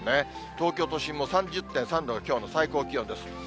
東京都心も３０．３度がきょうの最高気温です。